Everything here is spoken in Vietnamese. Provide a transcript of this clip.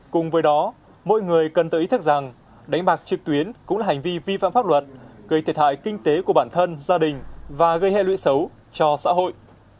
cùng với đó mỗi người cần tự ý thức rằng đánh bạc trực tuyến cũng là hành vi vi phạm pháp luật gây thiệt hại kinh tế của bản thân gia đình và gây hệ lụy xấu cho xã hội